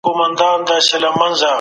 دا شاوخوا شپږ کاشوغې بوره ده.